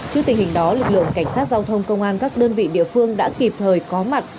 trước tình hình đó lực lượng cảnh sát giao thông công an các đơn vị địa phương đã kịp thời có mặt